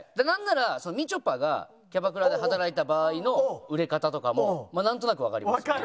なんならみちょぱがキャバクラで働いた場合の売れ方とかもなんとなくわかります。